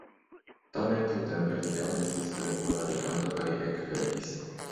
Tamen tiutempe li jam estis fervora leganto kaj ekverkis.